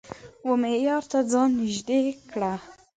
و معیار ته ځان نژدې کړه